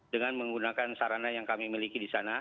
dengan menggunakan sarana yang kami miliki di sana